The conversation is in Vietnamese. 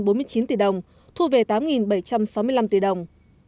với giá trị bốn năm trăm bốn mươi chín tỷ đồng thu về tám bảy trăm sáu mươi năm tỷ đồng